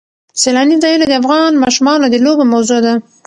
سیلاني ځایونه د افغان ماشومانو د لوبو موضوع ده.